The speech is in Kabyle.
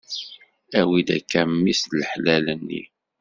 Awi-d akka mmi-s n laḥlal-nni.